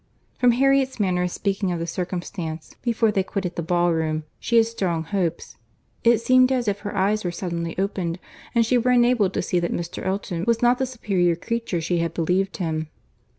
—From Harriet's manner of speaking of the circumstance before they quitted the ballroom, she had strong hopes. It seemed as if her eyes were suddenly opened, and she were enabled to see that Mr. Elton was not the superior creature she had believed him.